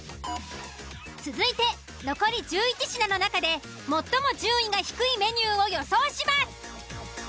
続いて残り１１品の中で最も順位が低いメニュ―を予想します。